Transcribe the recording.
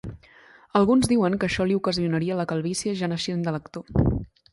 Alguns diuen que això li ocasionaria la calvície ja naixent de l'actor.